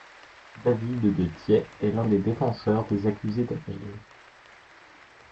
David de Thiais est l'un des défenseurs des accusés d'avril.